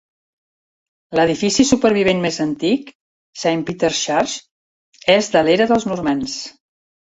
L"edifici supervivent més antic, Saint Peter's Church, és de l"era dels normands.